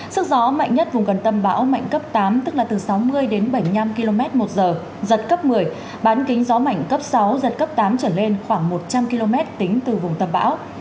sức gió mạnh nhất vùng gần tâm bão mạnh cấp tám tức là từ sáu mươi đến bảy mươi năm km một giờ giật cấp một mươi bán kính gió mạnh cấp sáu giật cấp tám trở lên khoảng một trăm linh km tính từ vùng tâm bão